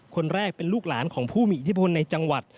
คนแรกเป็นลูกหลานของผู้มีอิทธิพลในจังหวัด